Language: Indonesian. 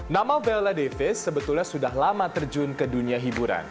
nama bella davis sebetulnya sudah lama terjun ke dunia hiburan